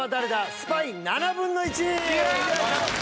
スパイ７分の１！よっ！